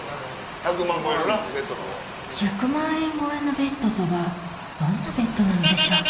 １００万円超えのベッドとはどんなベッドなのでしょうか？